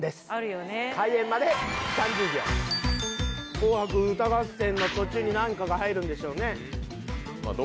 『紅白歌合戦』の途中に何かが入るんでしょうね。